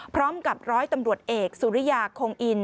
พร้อมกับร้อยตำรวจเอกสุริยาคงอิน